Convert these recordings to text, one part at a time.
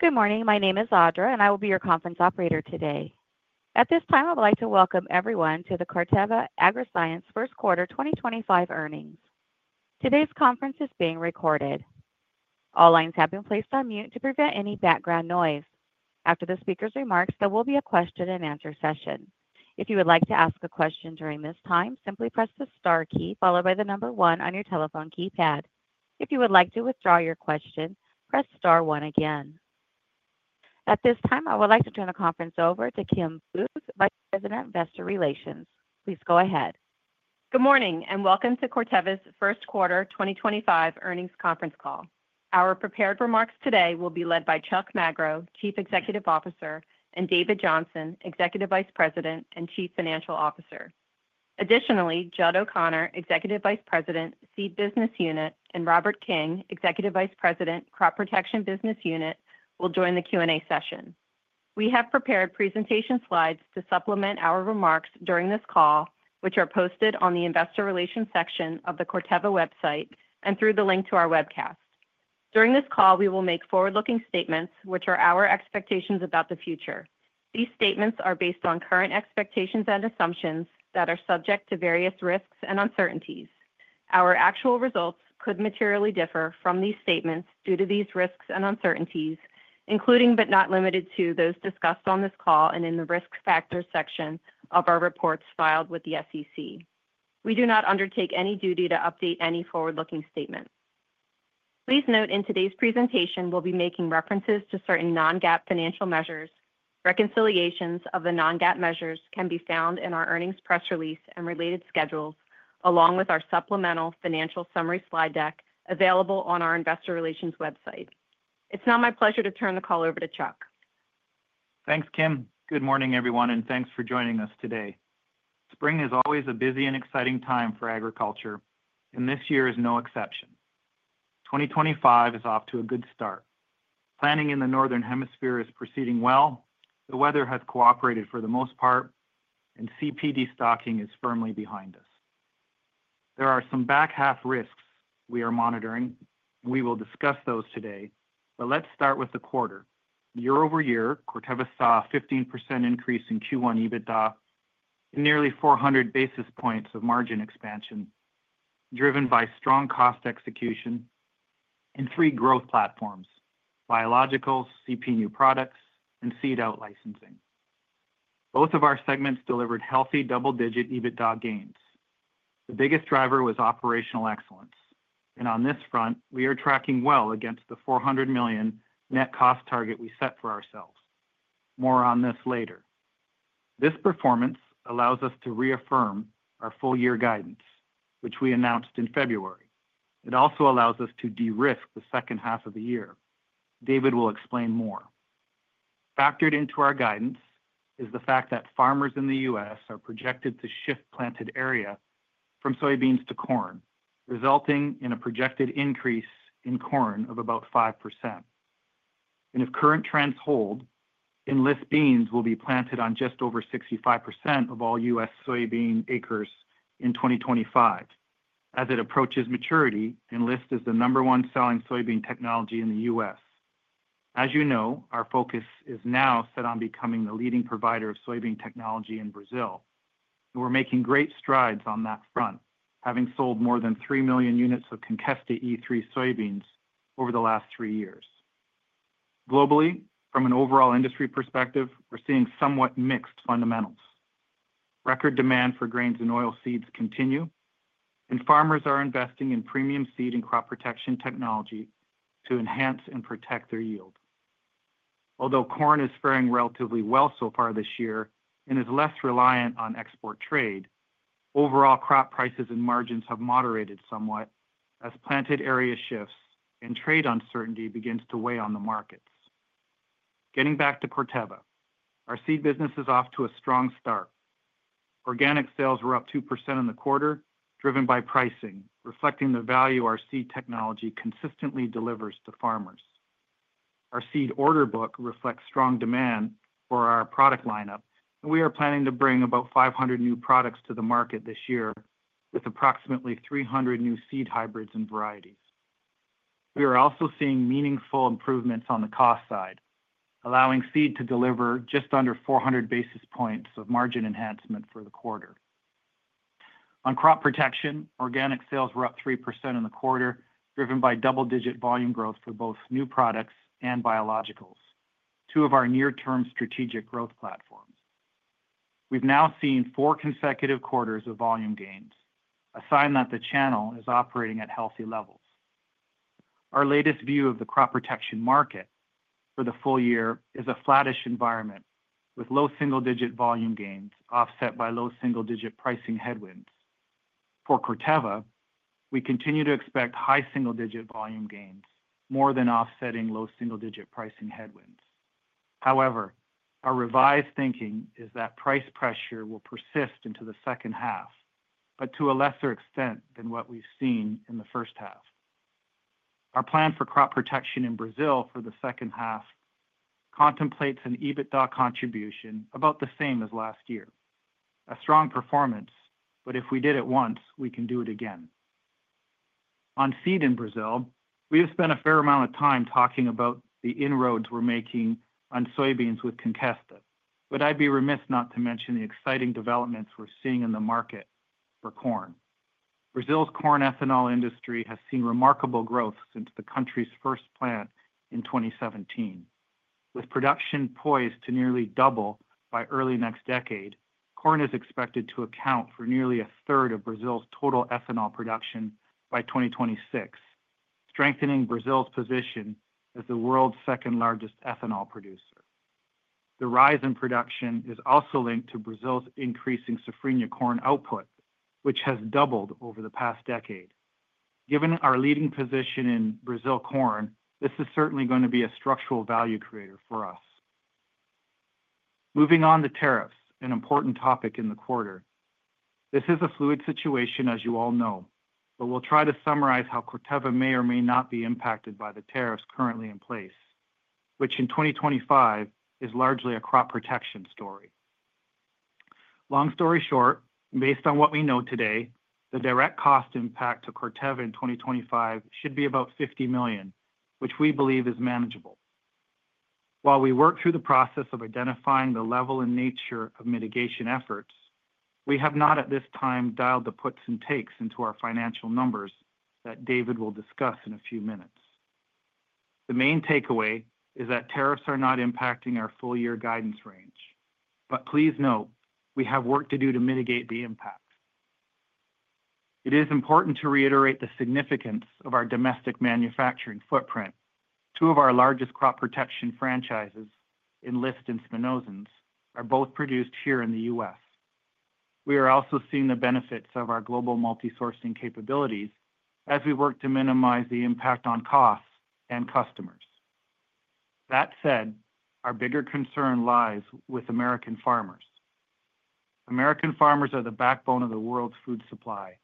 Good morning. My name is Audra, and I will be your conference operator today. At this time, I would like to welcome everyone to the Corteva Agriscience first quarter 2025 earnings. Today's conference is being recorded. All lines have been placed on mute to prevent any background noise. After the speaker's remarks, there will be a question-and-answer session. If you would like to ask a question during this time, simply press the star key followed by the number one on your telephone keypad. If you would like to withdraw your question, press star one again. At this time, I would like to turn the conference over to Kim Booth, Vice President, Investor Relations. Please go ahead. Good morning and welcome to Corteva's first quarter 2025 earnings conference call. Our prepared remarks today will be led by Chuck Magro, Chief Executive Officer, and David Johnson, Executive Vice President and Chief Financial Officer. Additionally, Judd O'Connor, Executive Vice President, Seed Business Unit, and Robert King, Executive Vice President, Crop Protection Business Unit, will join the Q&A session. We have prepared presentation slides to supplement our remarks during this call, which are posted on the Investor Relations section of the Corteva website and through the link to our webcast. During this call, we will make forward-looking statements, which are our expectations about the future. These statements are based on current expectations and assumptions that are subject to various risks and uncertainties. Our actual results could materially differ from these statements due to these risks and uncertainties, including but not limited to those discussed on this call and in the risk factor section of our reports filed with the SEC. We do not undertake any duty to update any forward-looking statements. Please note in today's presentation, we'll be making references to certain non-GAAP financial measures. Reconciliations of the non-GAAP measures can be found in our earnings press release and related schedules, along with our supplemental financial summary slide deck available on our Investor Relations website. It's now my pleasure to turn the call over to Chuck. Thanks, Kim. Good morning, everyone, and thanks for joining us today. Spring is always a busy and exciting time for agriculture, and this year is no exception. 2025 is off to a good start. Planning in the northern hemisphere is proceeding well. The weather has cooperated for the most part, and CP destocking is firmly behind us. There are some back half risks we are monitoring. We will discuss those today, but let's start with the quarter. Year over year, Corteva saw a 15% increase in Q1 EBITDA and nearly 400 basis points of margin expansion, driven by strong cost execution and three growth platforms: biologicals, CP new products, and seed out-licensing. Both of our segments delivered healthy double-digit EBITDA gains. The biggest driver was operational excellence, and on this front, we are tracking well against the $400 million net cost target we set for ourselves. More on this later. This performance allows us to reaffirm our full-year guidance, which we announced in February. It also allows us to de-risk the second half of the year. David will explain more. Factored into our guidance is the fact that farmers in the U.S. are projected to shift planted area from soybeans to corn, resulting in a projected increase in corn of about 5%, and if current trends hold, Enlist beans will be planted on just over 65% of all U.S. soybean acres in 2025. As it approaches maturity, Enlist is the number one selling soybean technology in the U.S. As you know, our focus is now set on becoming the leading provider of soybean technology in Brazil. We're making great strides on that front, having sold more than 3 million units of Conkesta E3 soybeans over the last three years. Globally, from an overall industry perspective, we're seeing somewhat mixed fundamentals. Record demand for grains and oil seeds continue, and farmers are investing in premium seed and crop protection technology to enhance and protect their yield. Although corn is faring relatively well so far this year and is less reliant on export trade, overall crop prices and margins have moderated somewhat as planted area shifts and trade uncertainty begins to weigh on the markets. Getting back to Corteva, our seed business is off to a strong start. Organic sales were up 2% in the quarter, driven by pricing, reflecting the value our seed technology consistently delivers to farmers. Our seed order book reflects strong demand for our product lineup, and we are planning to bring about 500 new products to the market this year with approximately 300 new seed hybrids and varieties. We are also seeing meaningful improvements on the cost side, allowing seed to deliver just under 400 basis points of margin enhancement for the quarter. On crop protection, organic sales were up 3% in the quarter, driven by double-digit volume growth for both new products and biologicals, two of our near-term strategic growth platforms. We've now seen four consecutive quarters of volume gains, a sign that the channel is operating at healthy levels. Our latest view of the crop protection market for the full year is a flattish environment with low single-digit volume gains offset by low single-digit pricing headwinds. For Corteva, we continue to expect high single-digit volume gains, more than offsetting low single-digit pricing headwinds. However, our revised thinking is that price pressure will persist into the second half, but to a lesser extent than what we've seen in the first half. Our plan for crop protection in Brazil for the second half contemplates an EBITDA contribution about the same as last year. A strong performance, but if we did it once, we can do it again. On seed in Brazil, we have spent a fair amount of time talking about the inroads we're making on soybeans with Conkesta, but I'd be remiss not to mention the exciting developments we're seeing in the market for corn. Brazil's corn ethanol industry has seen remarkable growth since the country's first plant in 2017. With production poised to nearly double by early next decade, corn is expected to account for nearly a third of Brazil's total ethanol production by 2026, strengthening Brazil's position as the world's second largest ethanol producer. The rise in production is also linked to Brazil's increasing Safrinha corn output, which has doubled over the past decade. Given our leading position in Brazil corn, this is certainly going to be a structural value creator for us. Moving on to tariffs, an important topic in the quarter. This is a fluid situation, as you all know, but we'll try to summarize how Corteva may or may not be impacted by the tariffs currently in place, which in 2025 is largely a crop protection story. Long story short, based on what we know today, the direct cost impact to Corteva in 2025 should be about $50 million, which we believe is manageable. While we work through the process of identifying the level and nature of mitigation efforts, we have not at this time dialed the puts and takes into our financial numbers that David will discuss in a few minutes. The main takeaway is that tariffs are not impacting our full-year guidance range, but please note we have work to do to mitigate the impact. It is important to reiterate the significance of our domestic manufacturing footprint. Two of our largest crop protection franchises, Enlist and Spinosyns, are both produced here in the U.S. We are also seeing the benefits of our global multi-sourcing capabilities as we work to minimize the impact on costs and customers. That said, our bigger concern lies with American farmers. American farmers are the backbone of the world's food supply,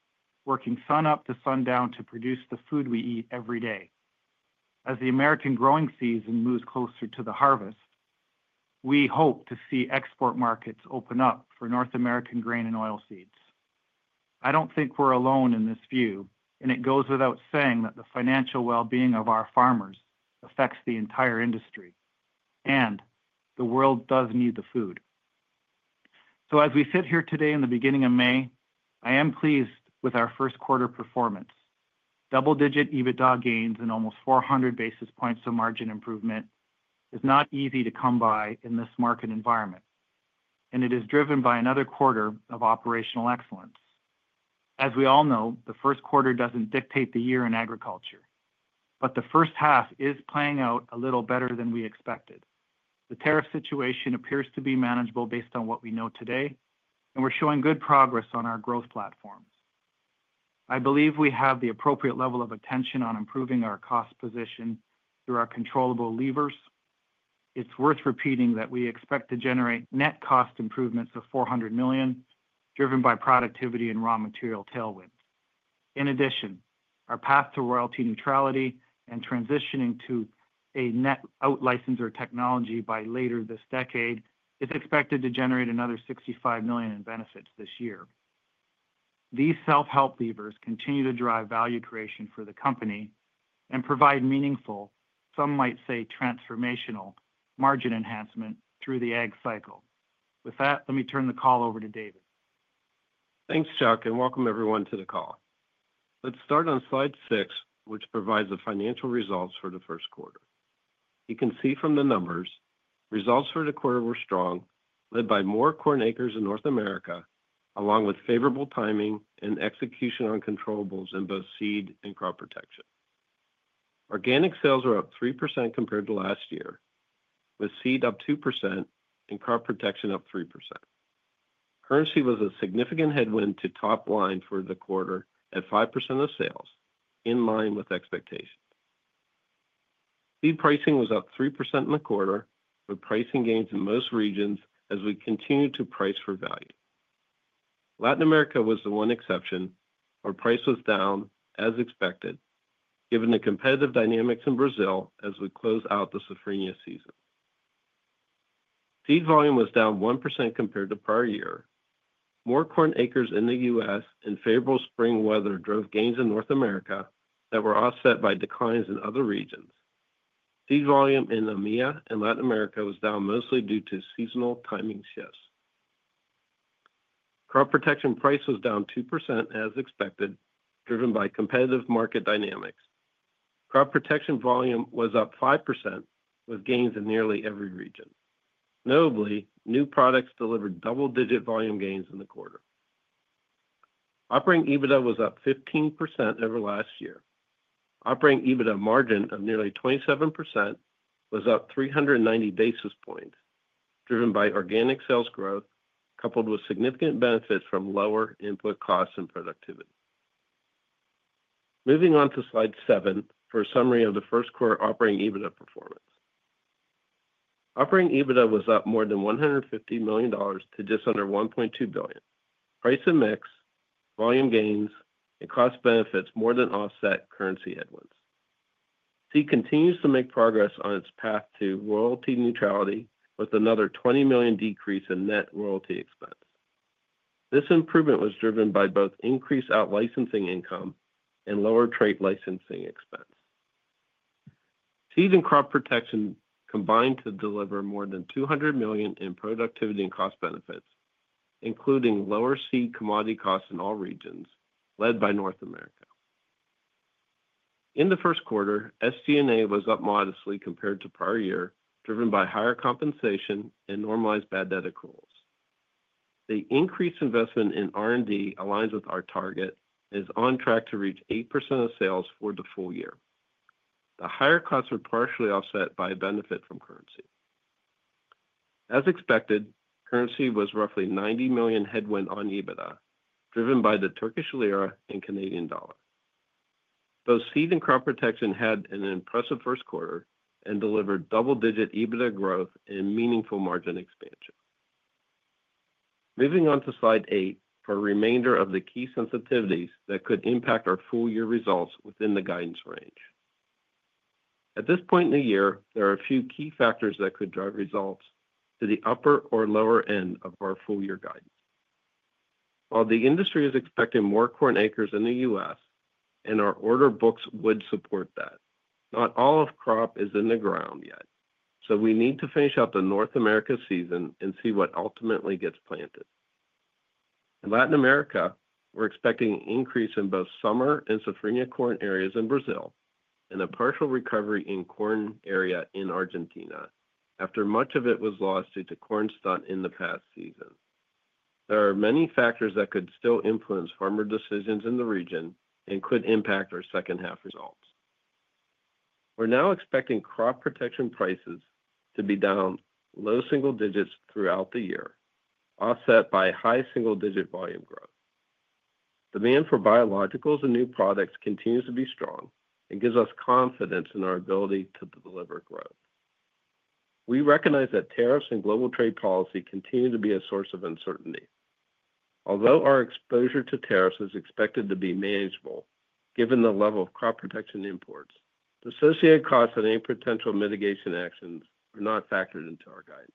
working sun up to sun down to produce the food we eat every day. As the American growing season moves closer to the harvest, we hope to see export markets open up for North American grain and oil seeds. I don't think we're alone in this view, and it goes without saying that the financial well-being of our farmers affects the entire industry, and the world does need the food. So, as we sit here today in the beginning of May, I am pleased with our first quarter performance. Double-digit EBITDA gains and almost 400 basis points of margin improvement is not easy to come by in this market environment, and it is driven by another quarter of operational excellence. As we all know, the first quarter doesn't dictate the year in agriculture, but the first half is playing out a little better than we expected. The tariff situation appears to be manageable based on what we know today, and we're showing good progress on our growth platforms. I believe we have the appropriate level of attention on improving our cost position through our controllable levers. It's worth repeating that we expect to generate net cost improvements of $400 million, driven by productivity and raw material tailwinds. In addition, our path to royalty neutrality and transitioning to a net out-licensor technology by later this decade is expected to generate another $65 million in benefits this year. These self-help levers continue to drive value creation for the company and provide meaningful, some might say transformational margin enhancement through the ag cycle. With that, let me turn the call over to David. Thanks, Chuck, and welcome everyone to the call. Let's start on slide six, which provides the financial results for the first quarter. You can see from the numbers, results for the quarter were strong, led by more corn acres in North America, along with favorable timing and execution on controllables, and both seed and crop protection. Organic sales were up 3% compared to last year, with seed up 2% and crop protection up 3%. Currency was a significant headwind to top line for the quarter at 5% of sales, in line with expectations. Seed pricing was up 3% in the quarter, with pricing gains in most regions as we continue to price for value. Latin America was the one exception, where price was down as expected, given the competitive dynamics in Brazil as we close out the Safrinha season. Seed volume was down 1% compared to prior year. More corn acres in the U.S. and favorable spring weather drove gains in North America that were offset by declines in other regions. Seed volume in EMEA and Latin America was down mostly due to seasonal timing shifts. Crop protection price was down 2% as expected, driven by competitive market dynamics. Crop protection volume was up 5%, with gains in nearly every region. Notably, new products delivered double-digit volume gains in the quarter. Operating EBITDA was up 15% over last year. Operating EBITDA margin of nearly 27% was up 390 basis points, driven by organic sales growth coupled with significant benefits from lower input costs and productivity. Moving on to slide seven for a summary of the first quarter operating EBITDA performance. Operating EBITDA was up more than $150 million to just under $1.2 billion. Price and mix, volume gains, and cost benefits more than offset currency headwinds. Seed continues to make progress on its path to royalty neutrality with another $20 million decrease in net royalty expense. This improvement was driven by both increased out-licensing income and lower trade licensing expense. Seed and crop protection combined to deliver more than $200 million in productivity and cost benefits, including lower seed commodity costs in all regions, led by North America. In the first quarter, SG&A was up modestly compared to prior year, driven by higher compensation and normalized bad debt rules. The increased investment in R&D aligns with our target and is on track to reach 8% of sales for the full year. The higher costs were partially offset by a benefit from currency. As expected, currency was roughly $90 million headwind on EBITDA, driven by the Turkish lira and Canadian dollar. Both seed and crop protection had an impressive first quarter and delivered double-digit EBITDA growth and meaningful margin expansion. Moving on to slide eight for a reminder of the key sensitivities that could impact our full-year results within the guidance range. At this point in the year, there are a few key factors that could drive results to the upper or lower end of our full-year guidance. While the industry is expecting more corn acres in the U.S., and our order books would support that, not all of crop is in the ground yet, so we need to finish out the North America season and see what ultimately gets planted. In Latin America, we're expecting an increase in both summer and Safrinha corn areas in Brazil, and a partial recovery in corn area in Argentina, after much of it was lost due to corn stunt in the past season. There are many factors that could still influence farmer decisions in the region and could impact our second half results. We're now expecting crop protection prices to be down low single digits throughout the year, offset by high single-digit volume growth. Demand for biologicals and new products continues to be strong and gives us confidence in our ability to deliver growth. We recognize that tariffs and global trade policy continue to be a source of uncertainty. Although our exposure to tariffs is expected to be manageable, given the level of crop protection imports, the associated costs and any potential mitigation actions are not factored into our guidance.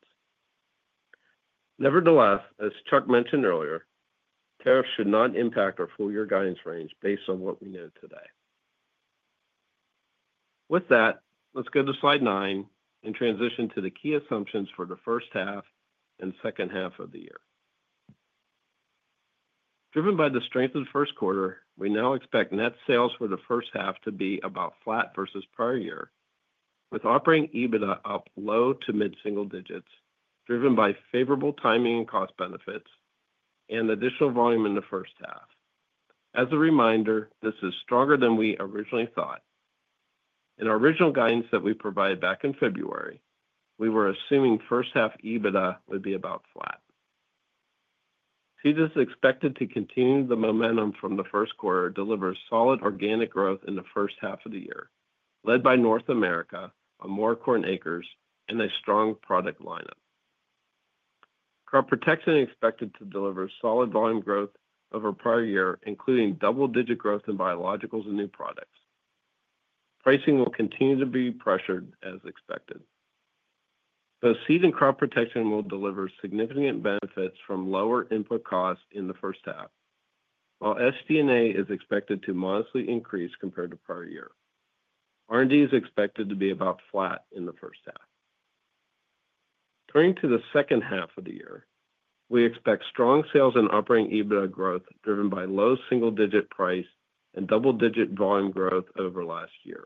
Nevertheless, as Chuck mentioned earlier, tariffs should not impact our full-year guidance range based on what we know today. With that, let's go to slide nine and transition to the key assumptions for the first half and second half of the year. Driven by the strength of the first quarter, we now expect net sales for the first half to be about flat versus prior year, with operating EBITDA up low to mid-single digits, driven by favorable timing and cost benefits, and additional volume in the first half. As a reminder, this is stronger than we originally thought. In our original guidance that we provided back in February, we were assuming first half EBITDA would be about flat. Seed is expected to continue the momentum from the first quarter, deliver solid organic growth in the first half of the year, led by North America on more corn acres and a strong product lineup. Crop protection is expected to deliver solid volume growth over prior year, including double-digit growth in biologicals and new products. Pricing will continue to be pressured as expected. Both seed and crop protection will deliver significant benefits from lower input costs in the first half, while SG&A is expected to modestly increase compared to prior year. R&D is expected to be about flat in the first half. Turning to the second half of the year, we expect strong sales and operating EBITDA growth driven by low single-digit price and double-digit volume growth over last year.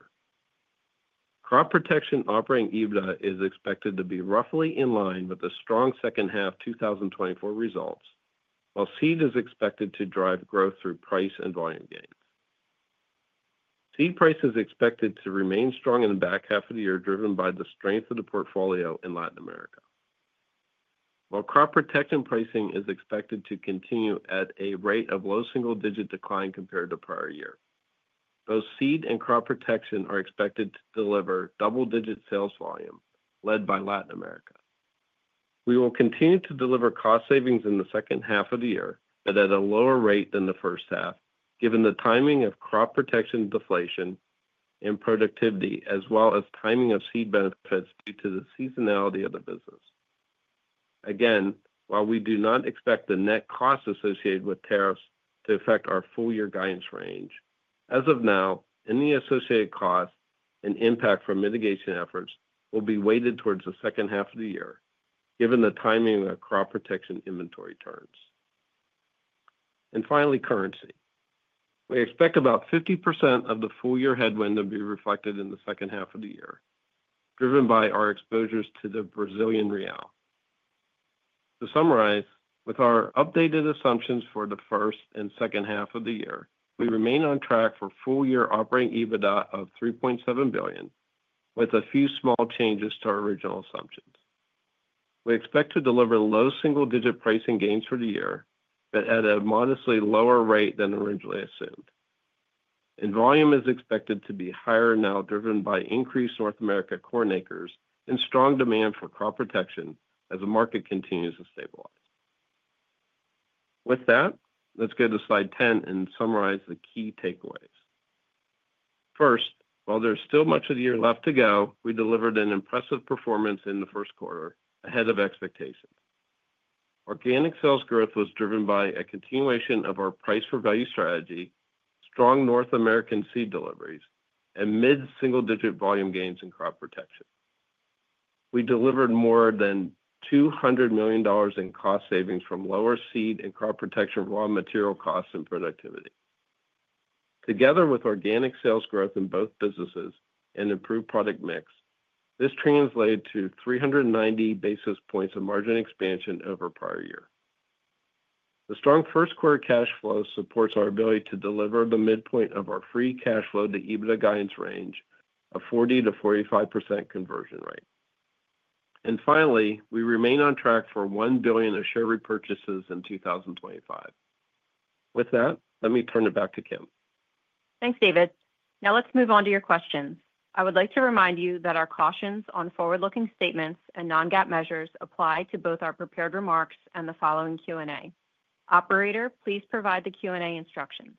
Crop protection operating EBITDA is expected to be roughly in line with the strong second half 2024 results, while seed is expected to drive growth through price and volume gains. Seed price is expected to remain strong in the back half of the year, driven by the strength of the portfolio in Latin America. While crop protection pricing is expected to continue at a rate of low single-digit decline compared to prior year, both seed and crop protection are expected to deliver double-digit sales volume, led by Latin America. We will continue to deliver cost savings in the second half of the year, but at a lower rate than the first half, given the timing of crop protection deflation and productivity, as well as timing of seed benefits due to the seasonality of the business. Again, while we do not expect the net cost associated with tariffs to affect our full-year guidance range, as of now, any associated costs and impact from mitigation efforts will be weighted towards the second half of the year, given the timing of crop protection inventory turns, and finally, currency. We expect about 50% of the full-year headwind to be reflected in the second half of the year, driven by our exposures to the Brazilian real. To summarize, with our updated assumptions for the first and second half of the year, we remain on track for full-year operating EBITDA of $3.7 billion, with a few small changes to our original assumptions. We expect to deliver low single-digit pricing gains for the year, but at a modestly lower rate than originally assumed. And volume is expected to be higher now, driven by increased North America corn acres and strong demand for crop protection as the market continues to stabilize. With that, let's go to slide 10 and summarize the key takeaways. First, while there's still much of the year left to go, we delivered an impressive performance in the first quarter ahead of expectations. Organic sales growth was driven by a continuation of our price for value strategy, strong North American seed deliveries, and mid-single-digit volume gains in crop protection. We delivered more than $200 million in cost savings from lower seed and crop protection raw material costs and productivity. Together with organic sales growth in both businesses and improved product mix, this translated to 390 basis points of margin expansion over prior year. The strong first quarter cash flow supports our ability to deliver the midpoint of our free cash flow to EBITDA guidance range, a 40%-45% conversion rate. And finally, we remain on track for $1 billion of share repurchases in 2025. With that, let me turn it back to Kim. Thanks, David. Now let's move on to your questions. I would like to remind you that our cautions on forward-looking statements and non-GAAP measures apply to both our prepared remarks and the following Q&A. Operator, please provide the Q&A instructions.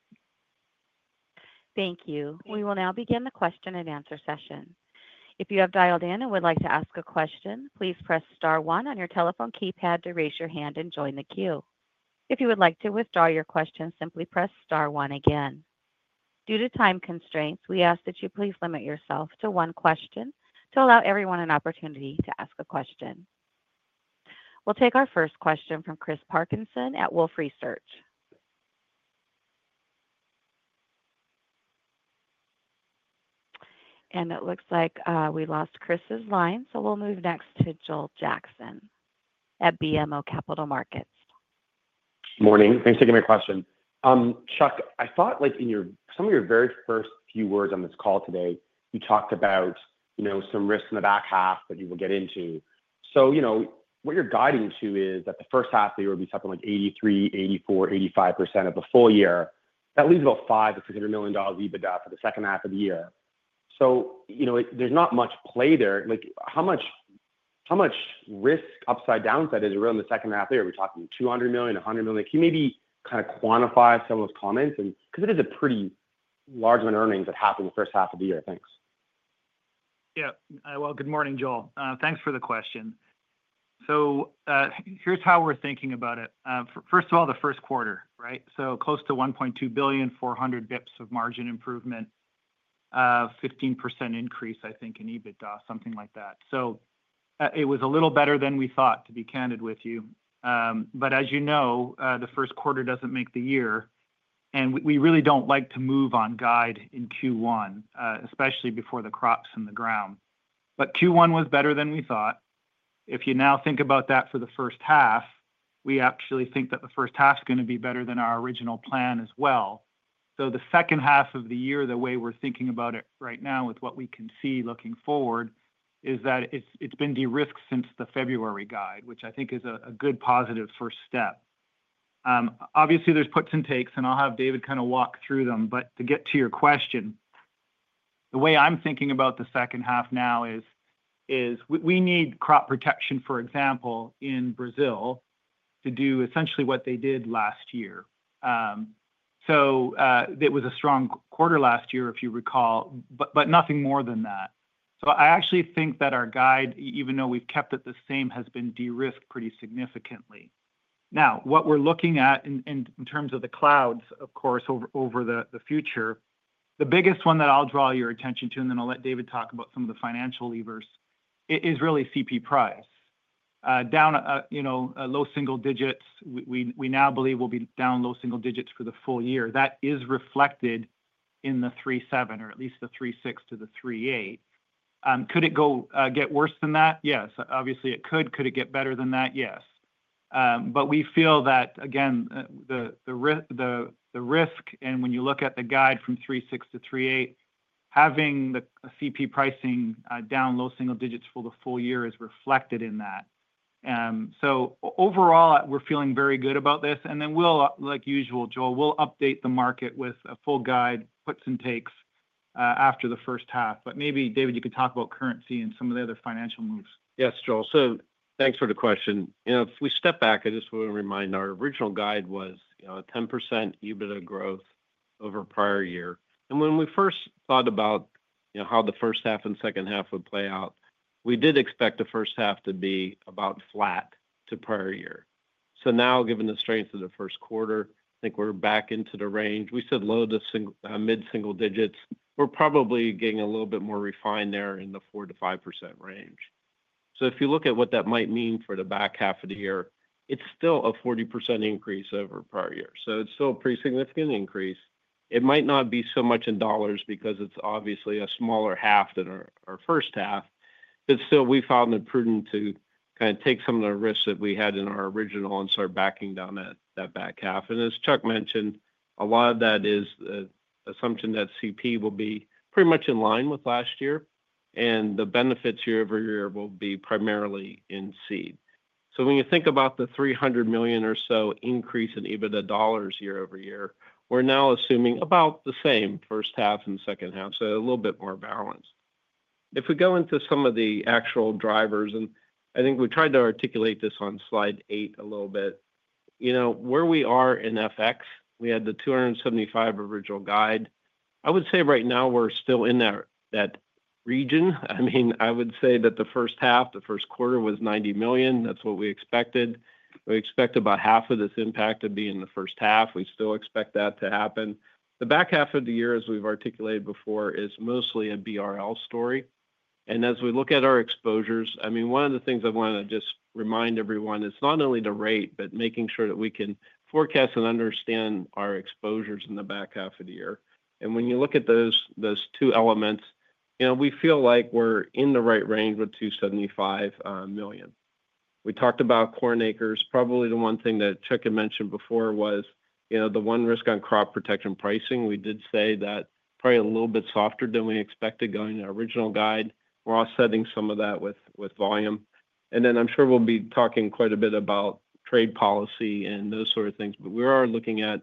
Thank you. We will now begin the question and answer session. If you have dialed in and would like to ask a question, please press star one on your telephone keypad to raise your hand and join the queue. If you would like to withdraw your question, simply press star one again. Due to time constraints, we ask that you please limit yourself to one question to allow everyone an opportunity to ask a question. We'll take our first question from Chris Parkinson at Wolfe Research. It looks like we lost Chris's line, so we'll move next to Joel Jackson at BMO Capital Markets. Morning. Thanks for giving me a question. Chuck, I thought like in some of your very first few words on this call today, you talked about, you know, some risks in the back half that you will get into. So, you know, what you're guiding to is that the first half of the year will be something like 83%-85% of the full year. That leaves about $500 million-$600 million EBITDA for the second half of the year. So, you know, there's not much play there. Like, how much risk upside downside is there in the second half of the year? We're talking $200 million, $100 million. Can you maybe kind of quantify some of those comments? And because it is a pretty large amount of earnings that happened in the first half of the year. Thanks. Yeah. Well, good morning, Joel. Thanks for the question. So here's how we're thinking about it. First of all, the first quarter, right? So close to $1.2 billion, 400 basis points of margin improvement, 15% increase, I think, in EBITDA, something like that. So it was a little better than we thought, to be candid with you. But as you know, the first quarter doesn't make the year, and we really don't like to move on guide in Q1, especially before the crop's in the ground. But Q1 was better than we thought. If you now think about that for the first half, we actually think that the first half is going to be better than our original plan as well. So the second half of the year, the way we're thinking about it right now with what we can see looking forward is that it's been de-risked since the February guide, which I think is a good positive first step. Obviously, there's puts and takes, and I'll have David kind of walk through them. But to get to your question, the way I'm thinking about the second half now is we need crop protection, for example, in Brazil to do essentially what they did last year. So it was a strong quarter last year, if you recall, but nothing more than that. So I actually think that our guide, even though we've kept it the same, has been de-risked pretty significantly. Now, what we're looking at in terms of the clouds, of course, over the future, the biggest one that I'll draw your attention to, and then I'll let David talk about some of the financial levers, is really CP price. Down, you know, low single digits, we now believe we'll be down low single digits for the full year. That is reflected in the $3.7, or at least the $3.6-$3.8. Could it get worse than that? Yes, obviously it could. Could it get better than that? Yes. But we feel that, again, the risk, and when you look at the guide from $3.6-$3.8, having the CP pricing down low single digits for the full year is reflected in that. So overall, we're feeling very good about this. Then we'll, like usual, Joel, update the market with a full guide, puts and takes after the first half. But maybe, David, you can talk about currency and some of the other financial moves. Yes, Joel. So thanks for the question. You know, if we step back, I just want to remind our original guide was, you know, a 10% EBITDA growth over prior year. And when we first thought about, you know, how the first half and second half would play out, we did expect the first half to be about flat to prior year. So now, given the strength of the first quarter, I think we're back into the range. We said low to mid-single digits. We're probably getting a little bit more refined there in the 4%-5% range. So if you look at what that might mean for the back half of the year, it's still a 40% increase over prior year. So it's still a pretty significant increase. It might not be so much in dollars because it's obviously a smaller half than our first half. But still, we found it prudent to kind of take some of the risks that we had in our original and start backing down that back half. And as Chuck mentioned, a lot of that is the assumption that CP will be pretty much in line with last year, and the benefits year over year will be primarily in seed. So when you think about the $300 million or so increase in EBITDA dollars year over year, we're now assuming about the same first half and second half, so a little bit more balance. If we go into some of the actual drivers, and I think we tried to articulate this on slide eight a little bit, you know, where we are in FX, we had the 275 original guide. I would say right now we're still in that region. I mean, I would say that the first half, the first quarter was $90 million. That's what we expected. We expect about half of this impact to be in the first half. We still expect that to happen. The back half of the year, as we've articulated before, is mostly a BRL story. And as we look at our exposures, I mean, one of the things I want to just remind everyone is not only the rate, but making sure that we can forecast and understand our exposures in the back half of the year. And when you look at those two elements, you know, we feel like we're in the right range with $275 million. We talked about corn acres. Probably the one thing that Chuck had mentioned before was, you know, the one risk on crop protection pricing. We did say that probably a little bit softer than we expected going to the original guide. We're offsetting some of that with volume. And then I'm sure we'll be talking quite a bit about trade policy and those sort of things, but we are looking at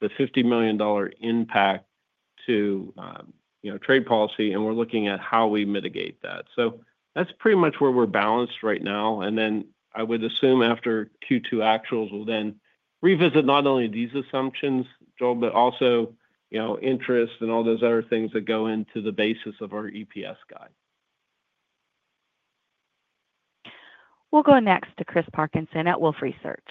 the $50 million impact to, you know, trade policy, and we're looking at how we mitigate that. So that's pretty much where we're balanced right now. And then I would assume after Q2 actuals will then revisit not only these assumptions, Joel, but also, you know, interest and all those other things that go into the basis of our EPS guide. We'll go next to Chris Parkinson at Wolfe Research.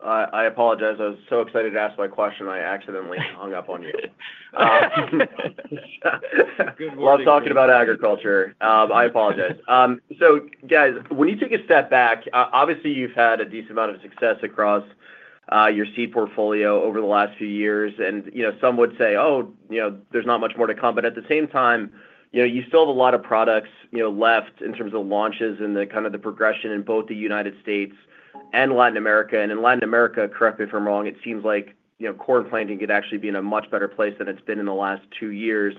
I apologize. I was so excited to ask my question. I accidentally hung up on you. While talking about agriculture, I apologize. So guys, when you take a step back, obviously you've had a decent amount of success across your seed portfolio over the last few years. And, you know, some would say, oh, you know, there's not much more to come. But at the same time, you know, you still have a lot of products, you know, left in terms of launches and the kind of the progression in both the United States and Latin America. And in Latin America, correct me if I'm wrong, it seems like, you know, corn planting could actually be in a much better place than it's been in the last two years.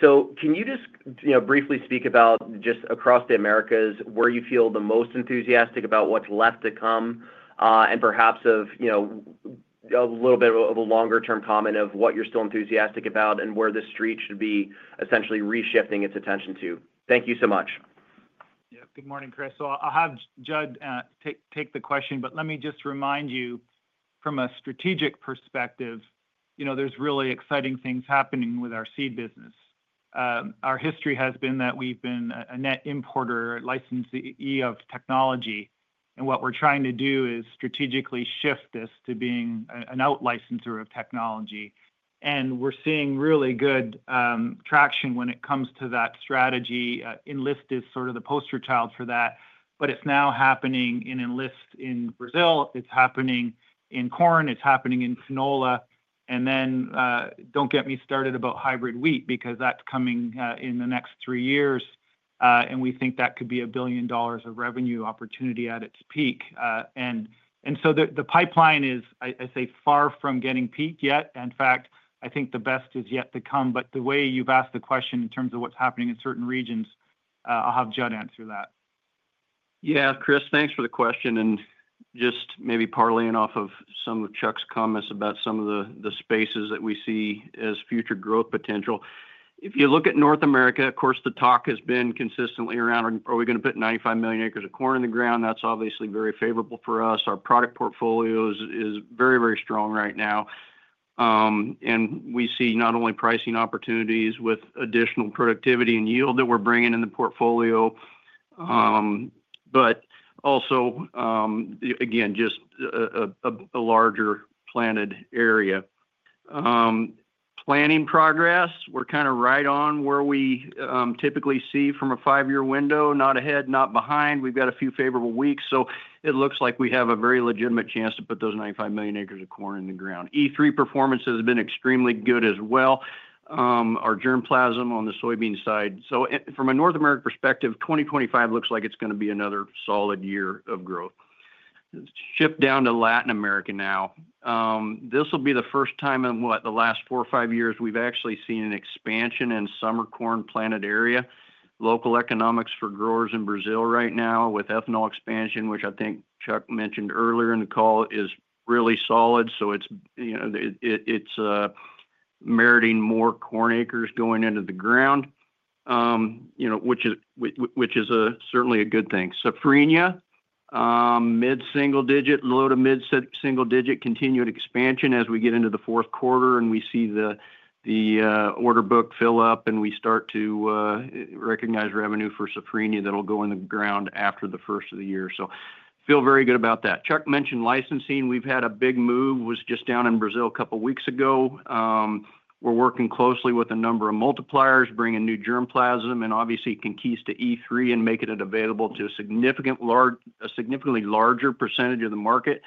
So can you just, you know, briefly speak about just across the Americas where you feel the most enthusiastic about what's left to come and perhaps of, you know, a little bit of a longer-term comment of what you're still enthusiastic about and where the street should be essentially reshifting its attention to? Thank you so much. Yeah. Good morning, Chris. So I'll have Judd take the question, but let me just remind you from a strategic perspective, you know, there's really exciting things happening with our seed business. Our history has been that we've been a net importer, licensee of technology. And what we're trying to do is strategically shift this to being an outlicensor of technology. And we're seeing really good traction when it comes to that strategy. Enlist is sort of the poster child for that, but it's now happening in Enlist in Brazil. It's happening in corn. It's happening in canola. And then don't get me started about hybrid wheat because that's coming in the next three years. And we think that could be a $1 billion revenue opportunity at its peak. And so the pipeline is, I say, far from getting peaked yet. In fact, I think the best is yet to come. But the way you've asked the question in terms of what's happening in certain regions, I'll have Judd answer that. Yeah, Chris, thanks for the question. And just maybe parlaying off of some of Chuck's comments about some of the spaces that we see as future growth potential. If you look at North America, of course, the talk has been consistently around, are we going to put 95 million acres of corn in the ground? That's obviously very favorable for us. Our product portfolio is very, very strong right now. And we see not only pricing opportunities with additional productivity and yield that we're bringing in the portfolio, but also, again, just a larger planted area. Planting progress, we're kind of right on where we typically see from a five-year window, not ahead, not behind. We've got a few favorable weeks. So it looks like we have a very legitimate chance to put those 95 million acres of corn in the ground. E3 performance has been extremely good as well. Our germplasm on the soybean side. So from a North America perspective, 2025 looks like it's going to be another solid year of growth. Shift down to Latin America now. This will be the first time in what, the last four or five years, we've actually seen an expansion in summer corn planted area. Local economics for growers in Brazil right now with ethanol expansion, which I think Chuck mentioned earlier in the call, is really solid. So it's, you know, it's meriting more corn acres going into the ground, you know, which is certainly a good thing. Safrinha, mid-single digit, low to mid-single digit continued expansion as we get into the fourth quarter and we see the order book fill up and we start to recognize revenue for Safrinha that'll go in the ground after the first of the year. So feel very good about that. Chuck mentioned licensing. We've had a big move. I was just down in Brazil a couple of weeks ago. We're working closely with a number of multipliers, bringing new germplasm and obviously Enlist E3 and make it available to a significantly larger percentage of the market.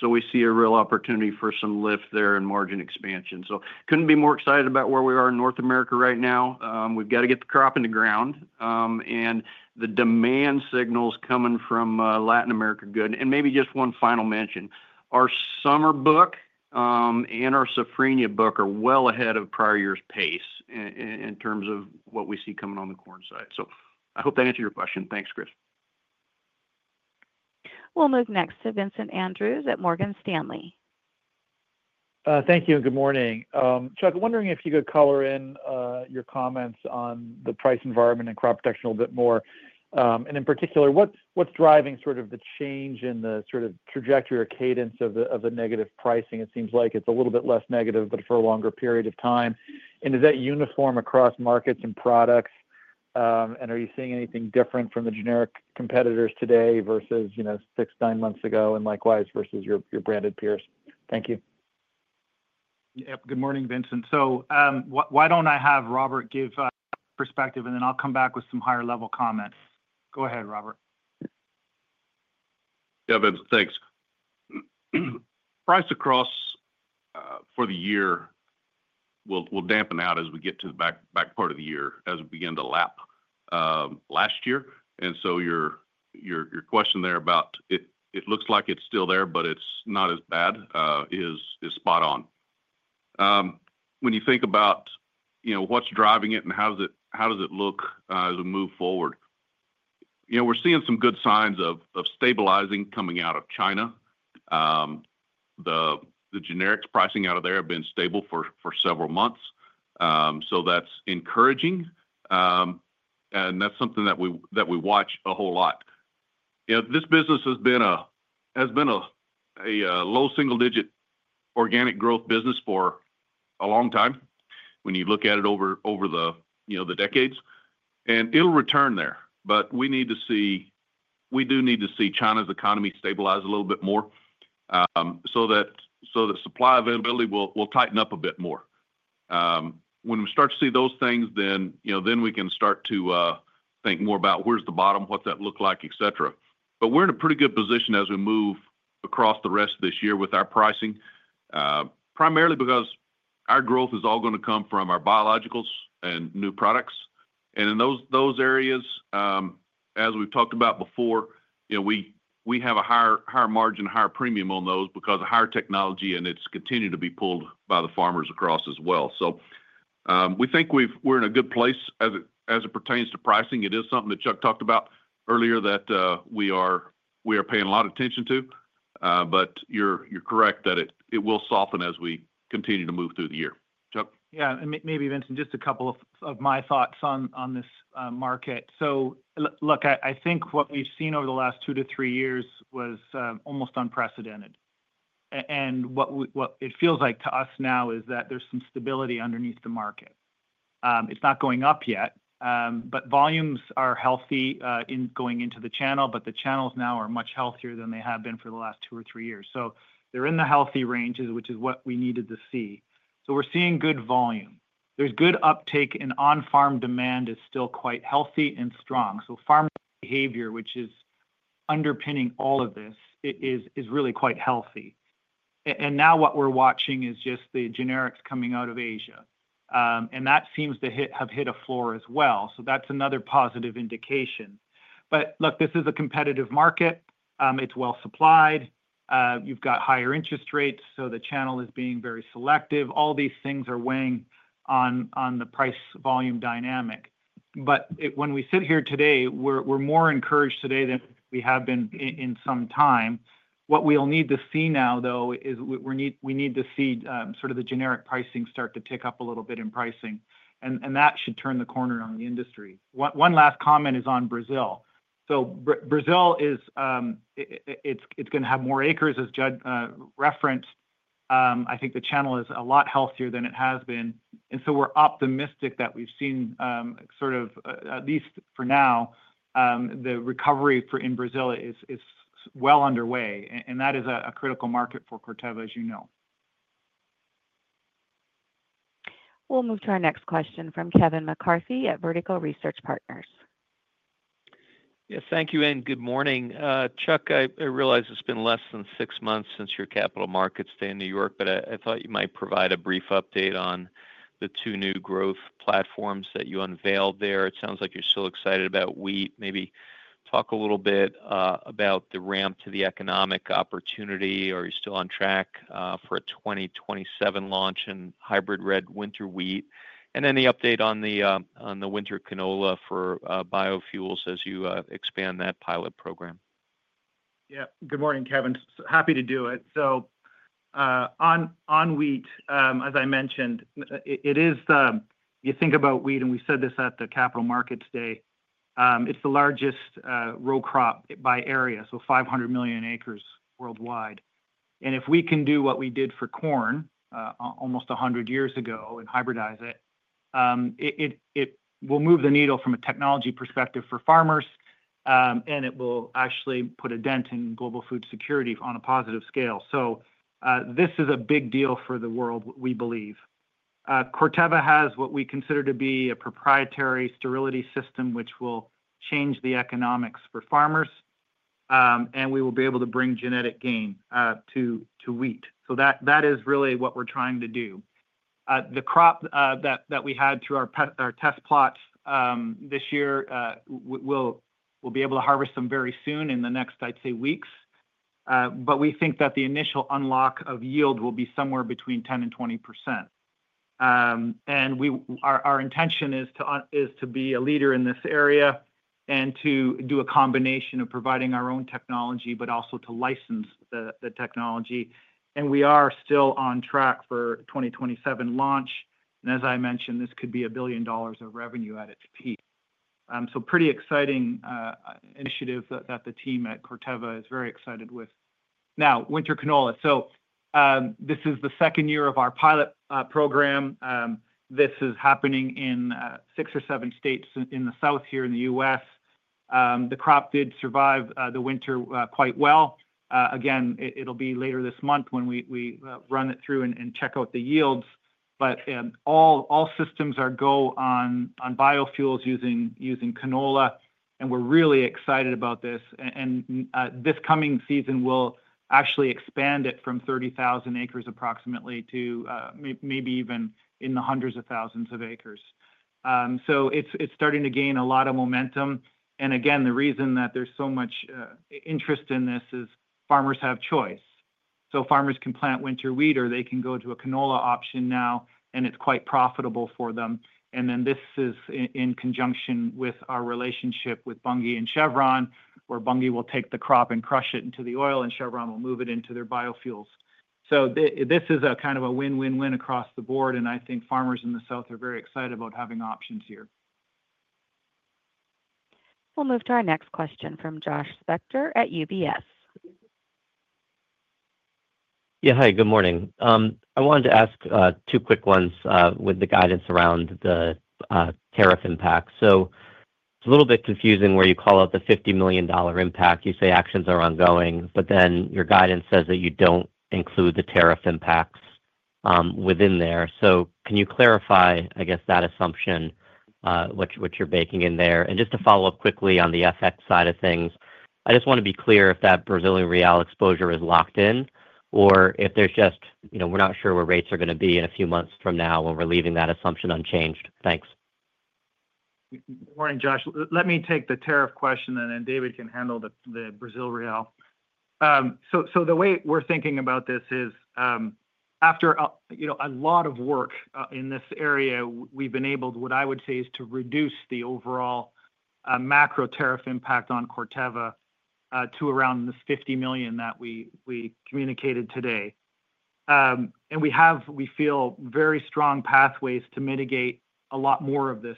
So we see a real opportunity for some lift there in margin expansion. So couldn't be more excited about where we are in North America right now. We've got to get the crop in the ground. And the demand signals coming from Latin America good. And maybe just one final mention, our summer book and our Safrinha book are well ahead of prior year's pace in terms of what we see coming on the corn side. So I hope that answered your question. Thanks, Chris. We'll move next to Vincent Andrews at Morgan Stanley. Thank you and good morning. Chuck, I'm wondering if you could color in your comments on the price environment and crop protection a little bit more, and in particular, what's driving sort of the change in the sort of trajectory or cadence of the negative pricing? It seems like it's a little bit less negative, but for a longer period of time, and is that uniform across markets and products, and are you seeing anything different from the generic competitors today versus, you know, six, nine months ago and likewise versus your branded peers? Thank you. Yep. Good morning, Vincent. So why don't I have Robert give perspective, and then I'll come back with some higher-level comments. Go ahead, Robert. Yeah, Vincent, thanks. Pricing across for the year will dampen out as we get to the back part of the year as we begin to lap last year. And so your question there about it looks like it's still there, but it's not as bad, is spot on. When you think about, you know, what's driving it and how does it look as we move forward? You know, we're seeing some good signs of stabilizing coming out of China. The generics pricing out of there have been stable for several months. So that's encouraging. And that's something that we watch a whole lot. You know, this business has been a low single-digit organic growth business for a long time when you look at it over the decades. And it'll return there. But we need to see, we do need to see China's economy stabilize a little bit more so that supply availability will tighten up a bit more. When we start to see those things, then, you know, then we can start to think more about where's the bottom? What's that look like? Et cetera. But we're in a pretty good position as we move across the rest of this year with our pricing, primarily because our growth is all going to come from our biologicals and new products. And in those areas, as we've talked about before, you know, we have a higher margin, higher premium on those because of higher technology, and it's continued to be pulled by the farmers across as well. So we think we're in a good place as it pertains to pricing. It is something that Chuck talked about earlier that we are paying a lot of attention to, but you're correct that it will soften as we continue to move through the year. Yeah. Maybe, Vincent, just a couple of my thoughts on this market. So look, I think what we've seen over the last two to three years was almost unprecedented. And what it feels like to us now is that there's some stability underneath the market. It's not going up yet, but volumes are healthy in going into the channel, but the channels now are much healthier than they have been for the last two or three years. So they're in the healthy ranges, which is what we needed to see. So we're seeing good volume. There's good uptake and on-farm demand is still quite healthy and strong. So farm behavior, which is underpinning all of this, is really quite healthy. And now what we're watching is just the generics coming out of Asia. And that seems to have hit a floor as well. So that's another positive indication. But look, this is a competitive market. It's well supplied. You've got higher interest rates. So the channel is being very selective. All these things are weighing on the price volume dynamic. But when we sit here today, we're more encouraged today than we have been in some time. What we'll need to see now, though, is we need to see sort of the generic pricing start to tick up a little bit in pricing. And that should turn the corner on the industry. One last comment is on Brazil. So Brazil is, it's going to have more acres, as Judd referenced. I think the channel is a lot healthier than it has been. And so we're optimistic that we've seen sort of, at least for now, the recovery in Brazil is well underway. And that is a critical market for Corteva, as you know. We'll move to our next question from Kevin McCarthy at Vertical Research Partners. Yes, thank you and good morning. Chuck, I realize it's been less than six months since your capital markets day in New York, but I thought you might provide a brief update on the two new growth platforms that you unveiled there. It sounds like you're still excited about wheat. Maybe talk a little bit about the ramp to the economic opportunity. Are you still on track for a 2027 launch in hybrid red winter wheat? And then the update on the winter canola for biofuels as you expand that pilot program. Yeah. Good morning, Kevin. Happy to do it. So on wheat, as I mentioned, it is the, you think about wheat, and we said this at the Capital Markets Day. It's the largest row crop by area, so 500 million acres worldwide. And if we can do what we did for corn almost 100 years ago and hybridize it, it will move the needle from a technology perspective for farmers, and it will actually put a dent in global food security on a positive scale. So this is a big deal for the world, we believe. Corteva has what we consider to be a proprietary sterility system, which will change the economics for farmers. And we will be able to bring genetic gain to wheat. So that is really what we're trying to do. The crop that we had through our test plots this year, we'll be able to harvest them very soon in the next, I'd say, weeks, but we think that the initial unlock of yield will be somewhere between 10%-20%, and our intention is to be a leader in this area and to do a combination of providing our own technology, but also to license the technology, and we are still on track for 2027 launch, and as I mentioned, this could be $1 billion of revenue at its peak, so pretty exciting initiative that the team at Corteva is very excited with. Now, winter canola, so this is the second year of our pilot program. This is happening in six or seven states in the south here in the U.S. The crop did survive the winter quite well. Again, it'll be later this month when we run it through and check out the yields. But all systems are going on biofuels using canola. And we're really excited about this. And this coming season, we'll actually expand it from 30,000 acres approximately to maybe even in the hundreds of thousands of acres. So it's starting to gain a lot of momentum. And again, the reason that there's so much interest in this is farmers have choice. So farmers can plant winter wheat or they can go to a canola option now, and it's quite profitable for them. And then this is in conjunction with our relationship with Bunge and Chevron, where Bunge will take the crop and crush it into the oil, and Chevron will move it into their biofuels. So this is a kind of a win-win-win across the board. I think farmers in the south are very excited about having options here. We'll move to our next question from Josh Spector at UBS. Yeah, hi, good morning. I wanted to ask two quick ones with the guidance around the tariff impact. So it's a little bit confusing where you call out the $50 million impact. You say actions are ongoing, but then your guidance says that you don't include the tariff impacts within there. So can you clarify, I guess, that assumption, what you're baking in there? And just to follow up quickly on the FX side of things, I just want to be clear if that Brazilian real exposure is locked in or if there's just, you know, we're not sure where rates are going to be in a few months from now when we're leaving that assumption unchanged. Thanks. Good morning, Josh. Let me take the tariff question and then David can handle the Brazilian real. So the way we're thinking about this is after a lot of work in this area, we've been able, what I would say, is to reduce the overall macro tariff impact on Corteva to around this $50 million that we communicated today. And we have, we feel, very strong pathways to mitigate a lot more of this,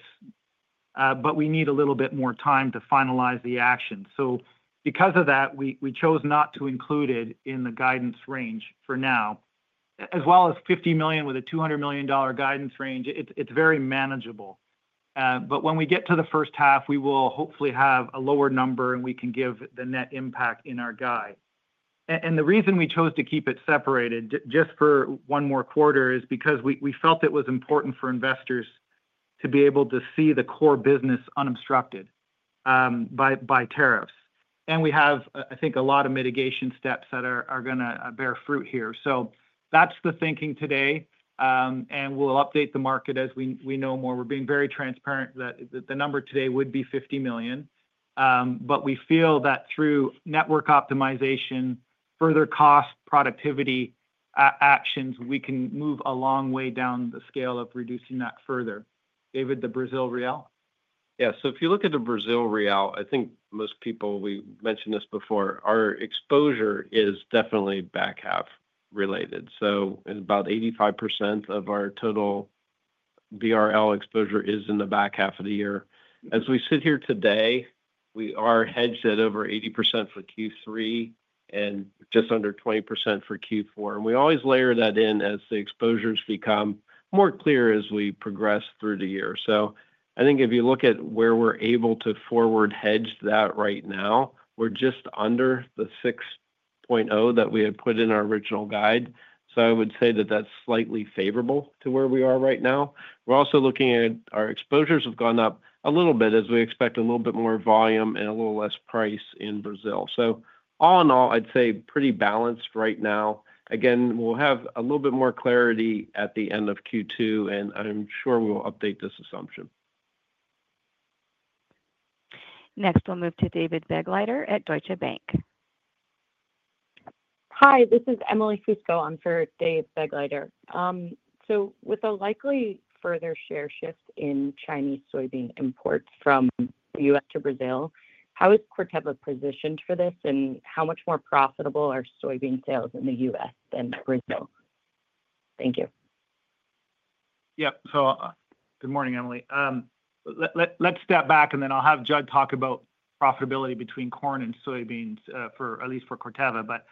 but we need a little bit more time to finalize the action. So because of that, we chose not to include it in the guidance range for now. As well as $50 million with a $200 million guidance range, it's very manageable. But when we get to the first half, we will hopefully have a lower number and we can give the net impact in our guide. And the reason we chose to keep it separated just for one more quarter is because we felt it was important for investors to be able to see the core business unobstructed by tariffs. And we have, I think, a lot of mitigation steps that are going to bear fruit here. So that's the thinking today. And we'll update the market as we know more. We're being very transparent that the number today would be $50 million. But we feel that through network optimization, further cost productivity actions, we can move a long way down the scale of reducing that further. David, the Brazilian real. Yeah. So if you look at the Brazilian real, I think most people, we mentioned this before, our exposure is definitely back half related. So about 85% of our total BRL exposure is in the back half of the year. As we sit here today, we are hedged at over 80% for Q3 and just under 20% for Q4. And we always layer that in as the exposures become more clear as we progress through the year. So I think if you look at where we're able to forward hedge that right now, we're just under the 6.0 that we had put in our original guide. So I would say that that's slightly favorable to where we are right now. We're also looking at our exposures have gone up a little bit as we expect a little bit more volume and a little less price in Brazil. So all in all, I'd say pretty balanced right now. Again, we'll have a little bit more clarity at the end of Q2, and I'm sure we'll update this assumption. Next, we'll move to David Begleiter at Deutsche Bank. Hi, this is Emily Fusco on for Dave Begleiter. So with a likely further share shift in Chinese soybean imports from the U.S. to Brazil, how is Corteva positioned for this and how much more profitable are soybean sales in the U.S. than Brazil? Thank you. Yep. So good morning, Emily. Let's step back and then I'll have Judd talk about profitability between corn and soybeans for at least Corteva. But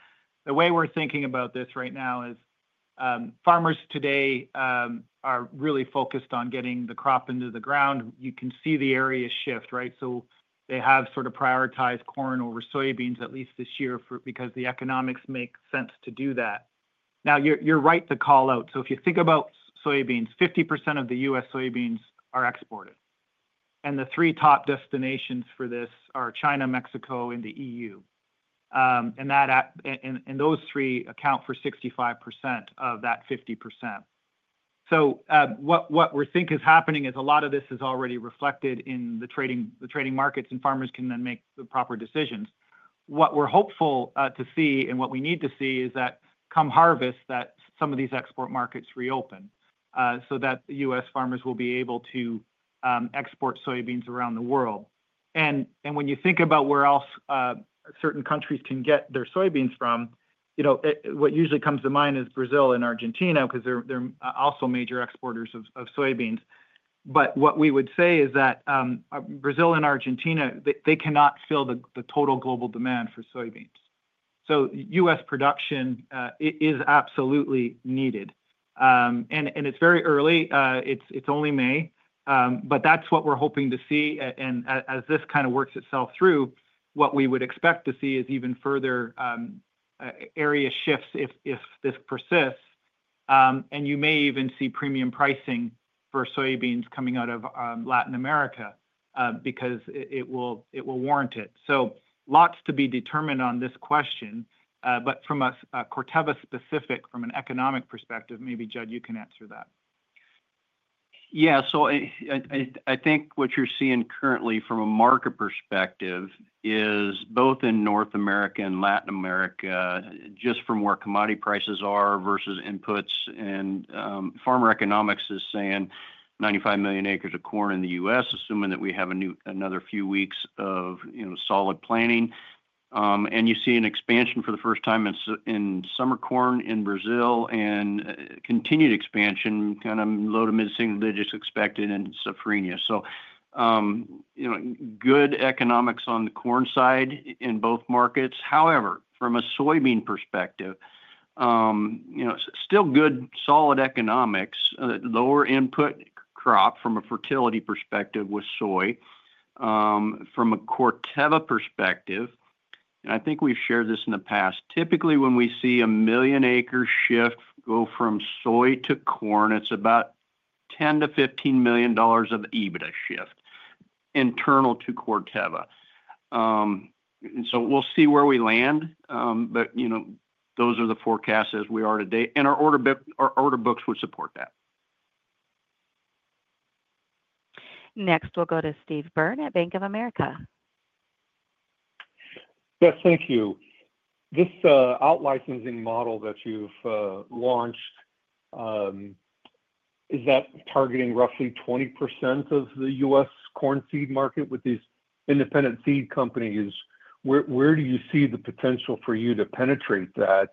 the way we're thinking about this right now is farmers today are really focused on getting the crop into the ground. You can see the area shift, right? So they have sort of prioritized corn over soybeans at least this year because the economics make sense to do that. Now, you're right to call out. So if you think about soybeans, 50% of the U.S. soybeans are exported. And the three top destinations for this are China, Mexico, and the EU. And those three account for 65% of that 50%. So what we think is happening is a lot of this is already reflected in the trading markets and farmers can then make the proper decisions. What we're hopeful to see and what we need to see is that come harvest, that some of these export markets reopen so that U.S. farmers will be able to export soybeans around the world. And when you think about where else certain countries can get their soybeans from, you know, what usually comes to mind is Brazil and Argentina because they're also major exporters of soybeans. But what we would say is that Brazil and Argentina, they cannot fill the total global demand for soybeans. So U.S. production is absolutely needed. And it's very early. It's only May. But that's what we're hoping to see. And as this kind of works itself through, what we would expect to see is even further area shifts if this persists. And you may even see premium pricing for soybeans coming out of Latin America because it will warrant it. So lots to be determined on this question. But from a Corteva specific, from an economic perspective, maybe Judd, you can answer that. Yeah. So I think what you're seeing currently from a market perspective is both in North America and Latin America, just from where commodity prices are versus inputs. And farmer economics is saying 95 million acres of corn in the U.S., assuming that we have another few weeks of solid planting. And you see an expansion for the first time in summer corn in Brazil and continued expansion, kind of low to mid single digits expected in Safrinha. So good economics on the corn side in both markets. However, from a soybean perspective, still good solid economics, lower input crop from a fertility perspective with soy. From a Corteva perspective, I think we've shared this in the past. Typically, when we see a million acre shift go from soy to corn, it's about $10 million-$15 million of EBITDA shift internal to Corteva. And so we'll see where we land. But those are the forecasts as we are today. And our order books would support that. Next, we'll go to Steve Byrne at Bank of America. Yes, thank you. This outlicensing model that you've launched, is that targeting roughly 20% of the U.S. corn seed market with these independent seed companies? Where do you see the potential for you to penetrate that?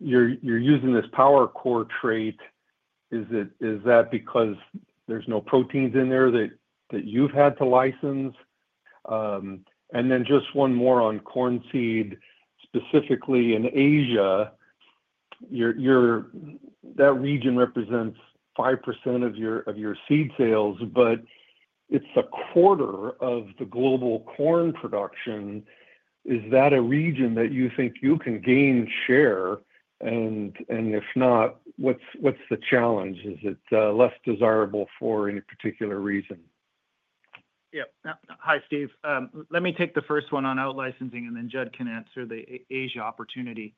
You're using this PowerCore trait. Is that because there's no proteins in there that you've had to license? And then just one more on corn seed, specifically in Asia, that region represents 5% of your seed sales, but it's a quarter of the global corn production. Is that a region that you think you can gain share? And if not, what's the challenge? Is it less desirable for any particular reason? Yep. Hi, Steve. Let me take the first one on outlicensing, and then Judd can answer the Asia opportunity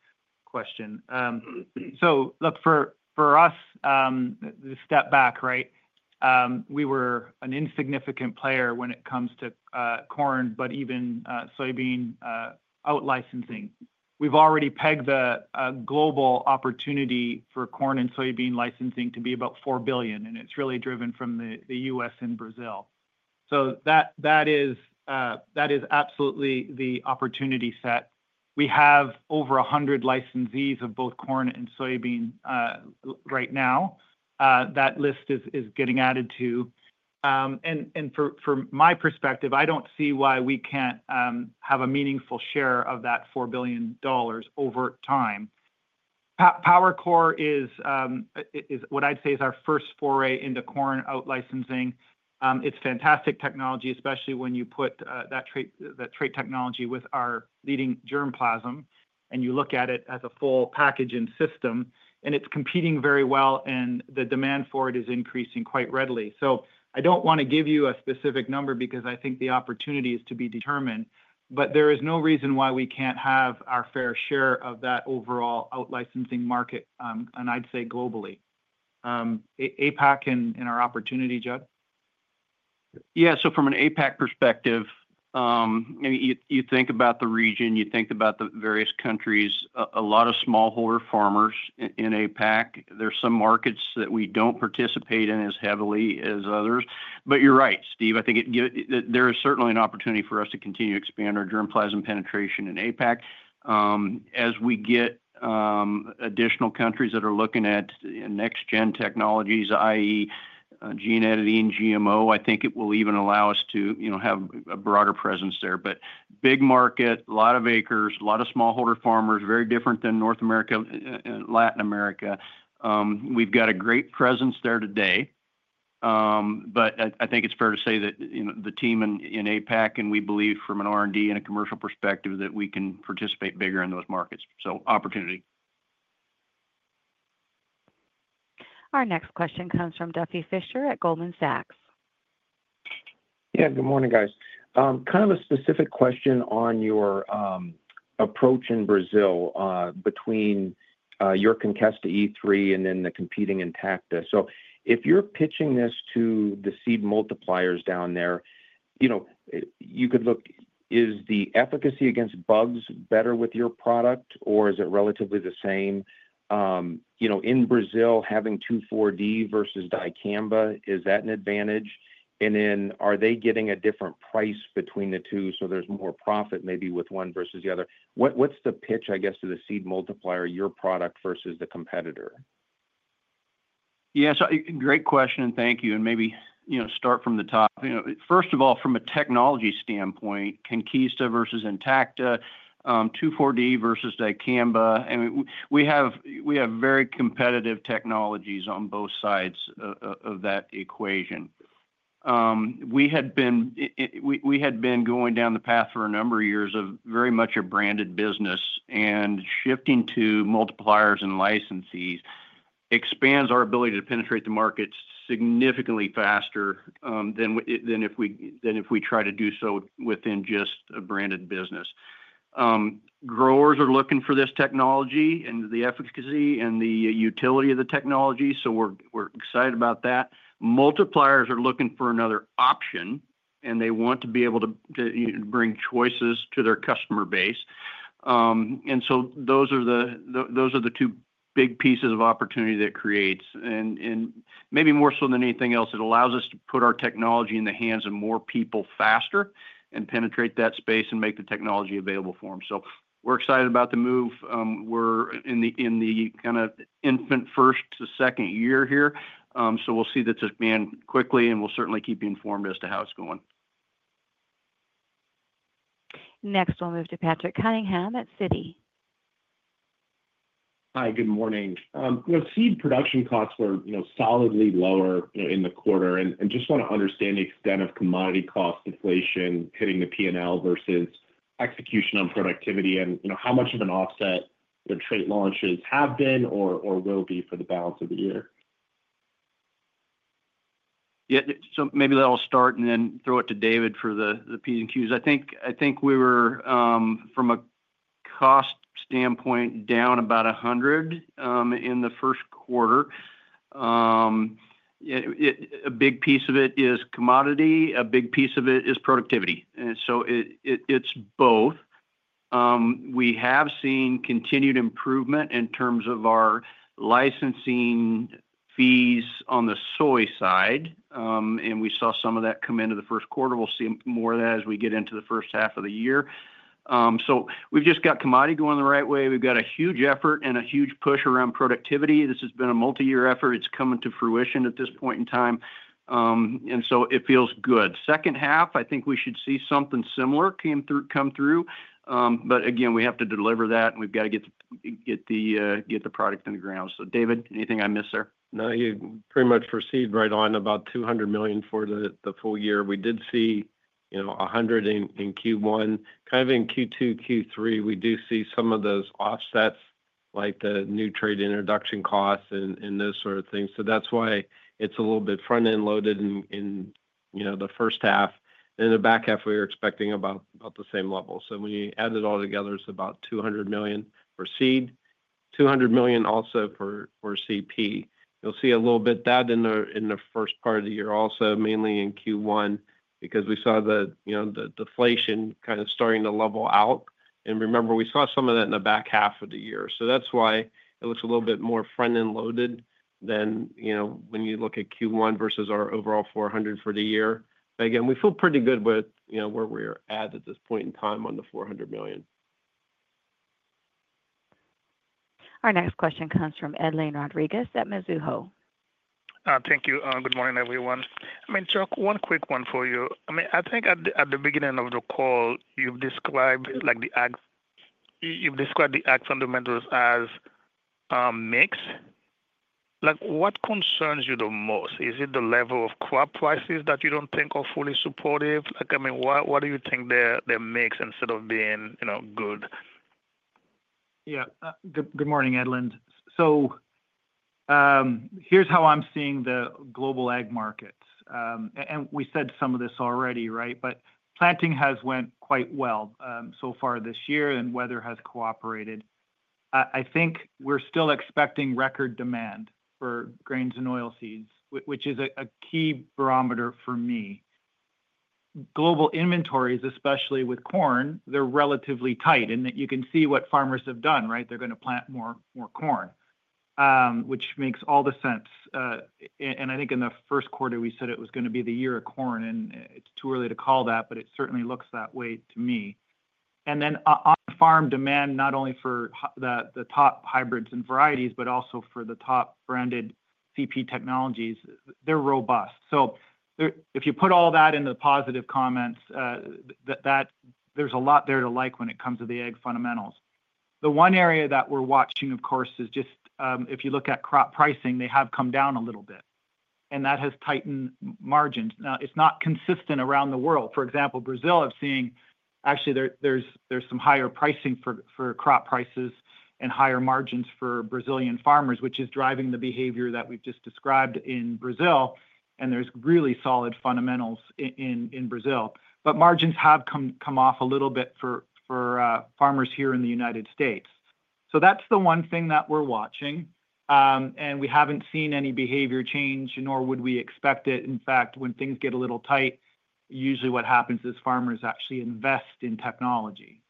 question. So for us, the step back, right? We were an insignificant player when it comes to corn, but even soybean outlicensing. We've already pegged the global opportunity for corn and soybean licensing to be about $4 billion, and it's really driven from the U.S. and Brazil. So that is absolutely the opportunity set. We have over 100 licensees of both corn and soybean right now. That list is getting added to. And from my perspective, I don't see why we can't have a meaningful share of that $4 billion over time. PowerCore is what I'd say is our first foray into corn outlicensing. It's fantastic technology, especially when you put that trait technology with our leading germplasm and you look at it as a full package and system, and it's competing very well and the demand for it is increasing quite readily. So I don't want to give you a specific number because I think the opportunity is to be determined, but there is no reason why we can't have our fair share of that overall outlicensing market, and I'd say globally. APAC in our opportunity, Judd? Yeah. So from an APAC perspective, you think about the region, you think about the various countries, a lot of smallholder farmers in APAC. There's some markets that we don't participate in as heavily as others. But you're right, Steve. I think there is certainly an opportunity for us to continue to expand our germplasm penetration in APAC. As we get additional countries that are looking at next-gen technologies, i.e., gene editing, GMO, I think it will even allow us to have a broader presence there. But big market, a lot of acres, a lot of smallholder farmers, very different than North America and Latin America. We've got a great presence there today. But I think it's fair to say that the team in APAC and we believe from an R&D and a commercial perspective that we can participate bigger in those markets. So opportunity. Our next question comes from Duffy Fischer at Goldman Sachs. Yeah, good morning, guys. Kind of a specific question on your approach in Brazil between your Conkesta E3 and then the competing Intacta. So if you're pitching this to the seed multipliers down there, you could look, is the efficacy against bugs better with your product or is it relatively the same? In Brazil, having 2,4-D versus Dicamba, is that an advantage? And then are they getting a different price between the two? So there's more profit maybe with one versus the other. What's the pitch, I guess, to the seed multiplier, your product versus the competitor? Yeah. So great question, and thank you, and maybe start from the top. First of all, from a technology standpoint, Conkesta versus Intacta, 2,4-D versus Dicamba. We have very competitive technologies on both sides of that equation. We had been going down the path for a number of years of very much a branded business, and shifting to multipliers and licensees expands our ability to penetrate the markets significantly faster than if we try to do so within just a branded business. Growers are looking for this technology and the efficacy and the utility of the technology, so we're excited about that. Multipliers are looking for another option and they want to be able to bring choices to their customer base. Those are the two big pieces of opportunity that creates and maybe more so than anything else. It allows us to put our technology in the hands of more people faster and penetrate that space and make the technology available for them. We're excited about the move. We're in the kind of infancy, first to second year here. We'll see that ramp up quickly and we'll certainly keep you informed as to how it's going. Next, we'll move to Patrick Cunningham at Citi. Hi, good morning. Seed production costs were solidly lower in the quarter and just want to understand the extent of commodity cost inflation hitting the P&L versus execution on productivity and how much of an offset the trait launches have been or will be for the balance of the year? Yeah. So maybe I'll start and then throw it to David for the Ps and Qs. I think we were from a cost standpoint down about 100 in the first quarter. A big piece of it is commodity. A big piece of it is productivity. And so it's both. We have seen continued improvement in terms of our licensing fees on the soy side. And we saw some of that come into the first quarter. We'll see more of that as we get into the first half of the year. So we've just got commodity going the right way. We've got a huge effort and a huge push around productivity. This has been a multi-year effort. It's coming to fruition at this point in time. And so it feels good. Second half, I think we should see something similar come through. But again, we have to deliver that and we've got to get the product in the ground. So David, anything I missed there? No, you pretty much proceed right on about $200 million for the full year. We did see $100 million in Q1. Kind of in Q2, Q3, we do see some of those offsets like the new trade introduction costs and those sort of things. So that's why it's a little bit front-end loaded in the first half. In the back half, we were expecting about the same level. So when you add it all together, it's about $200 million for seed, $200 million also for CP. You'll see a little bit of that in the first part of the year also, mainly in Q1 because we saw the deflation kind of starting to level out, and remember, we saw some of that in the back half of the year. So that's why it looks a little bit more front-end loaded than when you look at Q1 versus our overall $400 million for the year. But again, we feel pretty good with where we're at at this point in time on the $400 million. Our next question comes from Edlain Rodriguez at Mizuho. Thank you. Good morning, everyone. I mean, Chuck, one quick one for you. I mean, I think at the beginning of the call, you've described the ag fundamentals as mixed. What concerns you the most? Is it the level of crop prices that you don't think are fully supportive? I mean, what do you think they're mixed instead of being good? Yeah. Good morning, Edlain. So here's how I'm seeing the global ag markets. And we said some of this already, right? But planting has went quite well so far this year and weather has cooperated. I think we're still expecting record demand for grains and oilseeds, which is a key barometer for me. Global inventories, especially with corn, they're relatively tight. And you can see what farmers have done, right? They're going to plant more corn, which makes all the sense. And I think in the first quarter, we said it was going to be the year of corn. And it's too early to call that, but it certainly looks that way to me. And then on-farm demand, not only for the top hybrids and varieties, but also for the top branded CP technologies, they're robust. So if you put all that into the positive comments, there's a lot there to like when it comes to the ag fundamentals. The one area that we're watching, of course, is just if you look at crop pricing, they have come down a little bit. And that has tightened margins. Now, it's not consistent around the world. For example, Brazil. I've seen actually there's some higher pricing for crop prices and higher margins for Brazilian farmers, which is driving the behavior that we've just described in Brazil. And there's really solid fundamentals in Brazil. But margins have come off a little bit for farmers here in the United States. So that's the one thing that we're watching. And we haven't seen any behavior change, nor would we expect it. In fact, when things get a little tight, usually what happens is farmers actually invest in technology.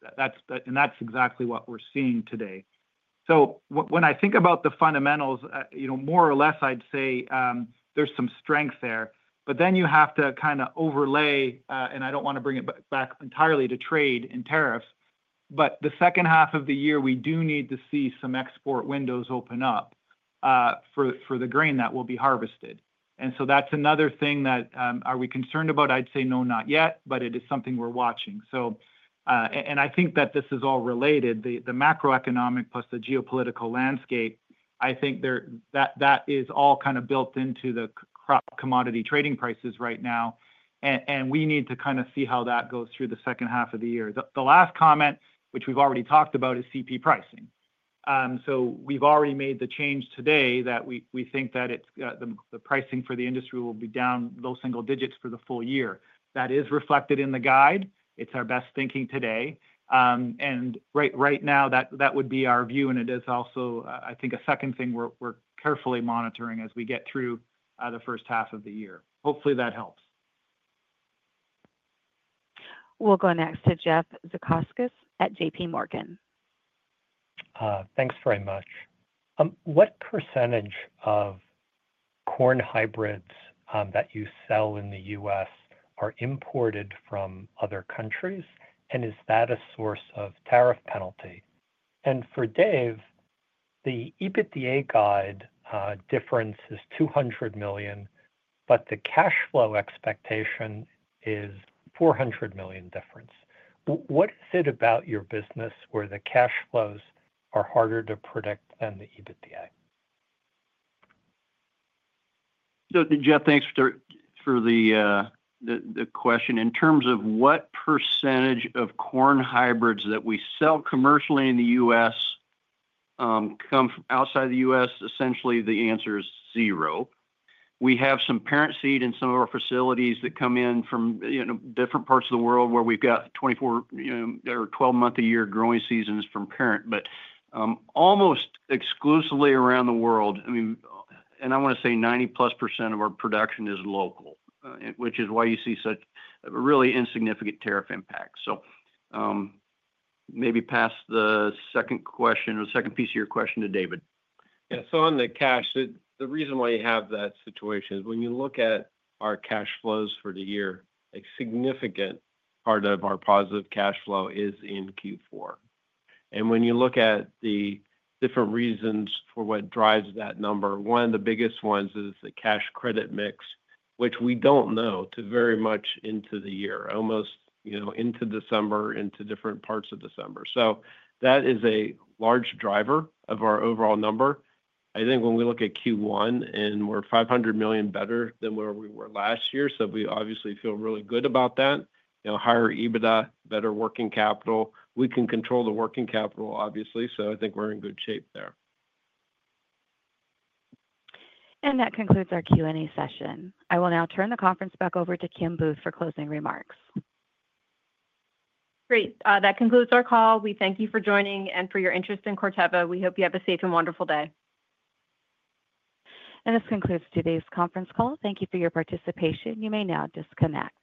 And that's exactly what we're seeing today. So when I think about the fundamentals, more or less, I'd say there's some strength there. But then you have to kind of overlay, and I don't want to bring it back entirely to trade and tariffs. But the second half of the year, we do need to see some export windows open up for the grain that will be harvested. And so that's another thing that are we concerned about? I'd say no, not yet, but it is something we're watching. And I think that this is all related. The macroeconomic plus the geopolitical landscape, I think that is all kind of built into the crop commodity trading prices right now. And we need to kind of see how that goes through the second half of the year. The last comment, which we've already talked about, is CP pricing. So we've already made the change today that we think that the pricing for the industry will be down low single digits for the full year. That is reflected in the guide. It's our best thinking today. And right now, that would be our view. And it is also, I think, a second thing we're carefully monitoring as we get through the first half of the year. Hopefully, that helps. We'll go next to Jeff Zekauskas at J.P. Morgan. Thanks very much. What percentage of corn hybrids that you sell in the U.S. are imported from other countries? And is that a source of tariff penalty? And for Dave, the EBITDA guide difference is $200 million, but the cash flow expectation is $400 million difference. What is it about your business where the cash flows are harder to predict than the EBITDA? Jeff, thanks for the question. In terms of what percentage of corn hybrids that we sell commercially in the U.S. come from outside the U.S., essentially the answer is zero. We have some parent seed in some of our facilities that come in from different parts of the world where we've got 24 or 12-month-a-year growing seasons from parent. But almost exclusively around the world, I mean, and I want to say 90+% of our production is local, which is why you see such really insignificant tariff impacts. Maybe pass the second question or second piece of your question to David. Yeah. On the cash, the reason why you have that situation is when you look at our cash flows for the year, a significant part of our positive cash flow is in Q4. When you look at the different reasons for what drives that number, one of the biggest ones is the cash credit mix, which we don't know until very much into the year, almost into December, into different parts of December. So that is a large driver of our overall number. I think when we look at Q1 and we're $500 million better than where we were last year. So we obviously feel really good about that. Higher EBITDA, better working capital. We can control the working capital, obviously. So I think we're in good shape there. That concludes our Q&A session. I will now turn the conference back over to Kim Booth for closing remarks. Great. That concludes our call. We thank you for joining and for your interest in Corteva. We hope you have a safe and wonderful day. This concludes today's conference call. Thank you for your participation. You may now disconnect.